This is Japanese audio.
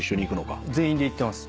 全員で行ってます。